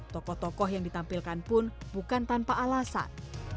tokoh tokoh yang ditampilkan pun bukan tanpa alasan